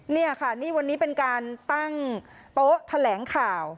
นี่ค่ะนี่วันนี้เป็นการตั้งโต๊ะแถลงข่าว